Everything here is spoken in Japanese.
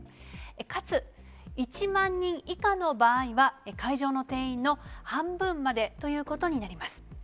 かつ１万人以下の場合は、会場の定員の半分までということになります。